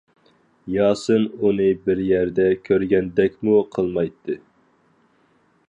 ياسىن ئۇنى بىر يەردە كۆرگەندەكمۇ قىلمايتتى.